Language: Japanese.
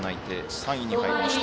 ３位に入りました。